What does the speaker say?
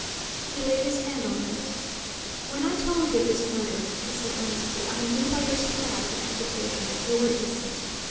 He laid his hand on hers. "When I told you of this murder," he said earnestly, "I knew by your surprise and agitation that you were innocent.